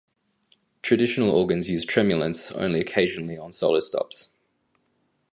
Traditional organs used tremulants only occasionally on solo stops.